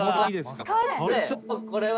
これ。